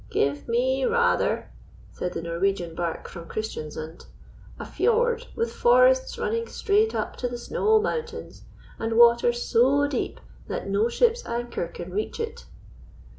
"Give me rather," said the Norwegian barque from Christiansund, "a fiord with forests running straight up to the snow mountains, and water so deep that no ship's anchor can reach it."